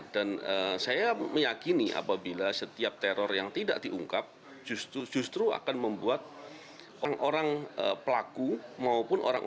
dan saya meyakini apabila setiap teror yang tidak diungkap justru akan membuat orang orang pelaku maupun orang orang yang berpotensi terhubung dengan orang lain